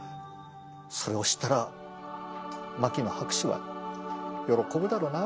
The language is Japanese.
それを知ったら牧野博士は喜ぶだろうな。